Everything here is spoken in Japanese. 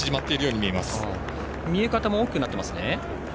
見え方も大きくなってますね。